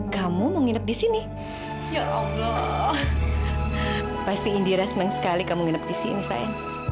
sampai jumpa di video selanjutnya